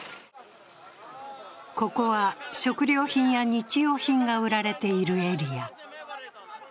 ここは食料品や日用品が売られているエリア。